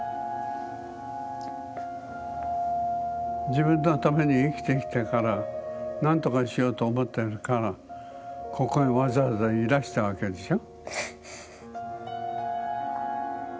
自分のために生きてきたからなんとかしようと思ってるからここへわざわざいらしたわけでしょ。